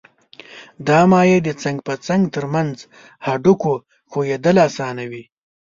دا مایع د څنګ په څنګ تر منځ هډوکو ښویېدل آسانوي.